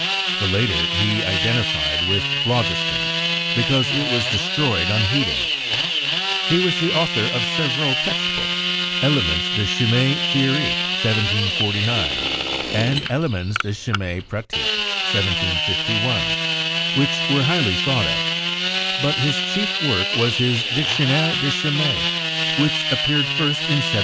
The later he iden tified with phlogiston because it was destroyed on heating. He was the author of several text books, "Elemens de Chymie Theorique" (1749) and "Elemens de Chymie Pratique" (1751), which were highly thought of; but his chief work was his "Dictionnaire de Chymie," which ap peared first in 1766.